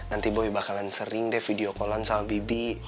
nanti boy bakalan sering deh video kolam sama bibi